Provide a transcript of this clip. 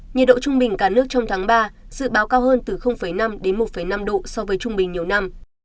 nhiệt độ trung bình cả nước trong tháng ba dự báo cao hơn từ năm đến một năm độ so với trung bình nhiều năm